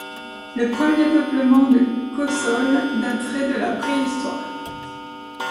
Le premier peuplement de Caussols daterait de la préhistoire.